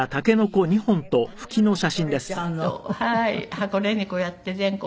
箱根にこうやって全国。